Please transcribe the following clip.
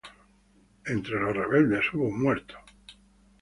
Entre los rebeldes hubo un muerto.